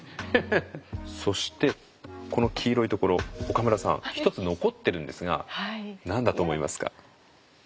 そしてこの黄色いところ岡村さん１つ残ってるんですが何だと思いますか？